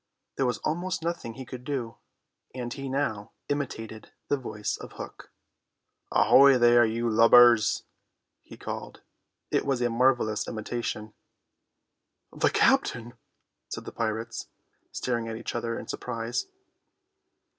There was almost nothing he could not do, and he now imitated the voice of Hook. "Ahoy there, you lubbers!" he called. It was a marvellous imitation. "The captain!" said the pirates, staring at each other in surprise.